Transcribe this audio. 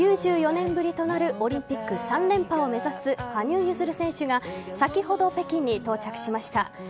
９４年ぶりとなるオリンピック３連覇を目指す羽生結弦選手が先ほど、北京に到着しました。